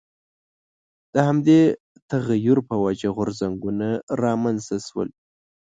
د همدې تغییر په وجه غورځنګونه رامنځته شول.